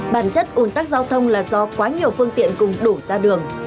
bản chất ủn tắc giao thông là do quá nhiều phương tiện cùng đổ ra đường